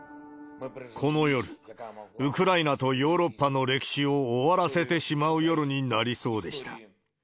この夜、ウクライナとヨーロッパの歴史を終わらせてしまう夜になりそうでした。